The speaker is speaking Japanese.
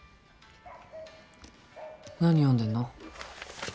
何読んでんの？